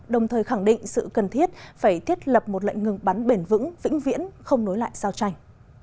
đồng thời khẳng định sự cần thiết phải thiết lập một lệnh ngừng bắn bền vững vĩnh viễn không nối lại giao tranh